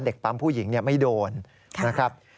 ปั๊มผู้หญิงไม่โดนนะครับ